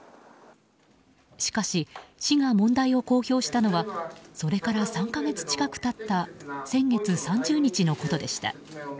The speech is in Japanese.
しかし、市が問題を公表したのはそれから３か月近く経った先月３０日のことでした。